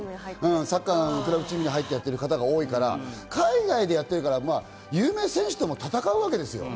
クラブチームでやってる方が多いから、海外でやっているから有名選手とも戦うわけですよ。